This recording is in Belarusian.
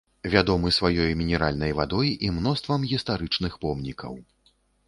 Вядомы сваёй мінеральнай вадой і мноствам гістарычных помнікаў.